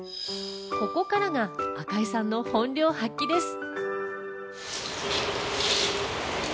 ここからが赤井さんの本領発揮です。